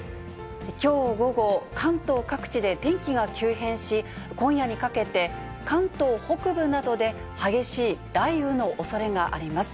きょう午後、関東各地で天気が急変し、今夜にかけて関東北部などで激しい雷雨のおそれがあります。